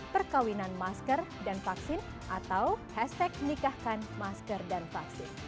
perkawinan masker dan vaksin atau hashtag nikahkan masker dan vaksin